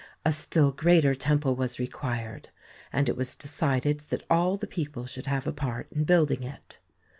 A still greater temple was required, and it was decided that all the people should have a part in building it.